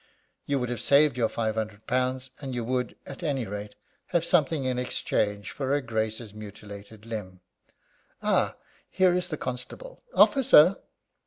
You would have saved your five hundred pounds, and you would, at any rate, have something in exchange for her Grace's mutilated limb. Ah, here is the constable! Officer!"